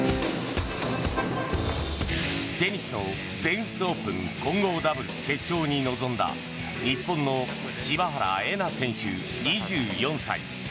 テニスの全仏オープン混合ダブルス決勝に臨んだ日本の柴原瑛菜選手、２４歳。